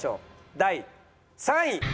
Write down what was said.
第３位。